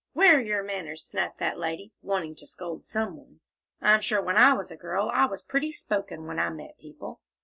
"Where are your manners?" snapped that lady, wanting to scold some one. "I'm sure when I was a girl I was pretty spoken, when I met people."